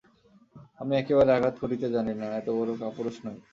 আমি একেবারে আঘাত করিতে জানি না, এতবড়ো কাপুরুষ নই।